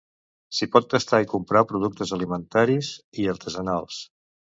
S'hi pot tastar i comprar productes alimentaris i artesanals.